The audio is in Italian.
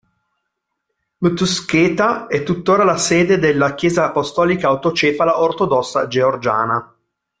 Mtskheta è tuttora la sede della Chiesa apostolica autocefala ortodossa georgiana.